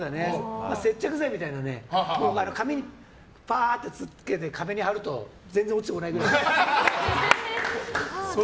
接着剤みたいな紙にパーってつけて壁に貼ると全然落ちてこないぐらい。